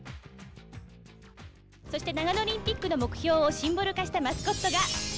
そして長野オリンピックの目標をシンボル化したマスコットが。